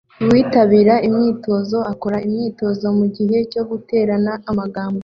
Uwitabira imyitozo akora imyitozo mugihe cyo guterana amagambo